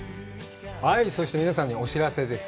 そして皆さんにお知らせです。